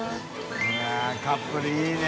Δ錙舛カップルいいね。